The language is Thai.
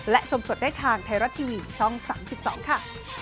และชมสดได้ทางไทยรัฐทีวีช่อง๓๒ค่ะ